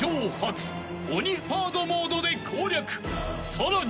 ［さらに］